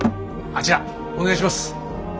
あちらお願いします。